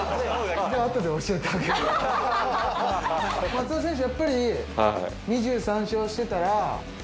やっぱり２３勝してたら。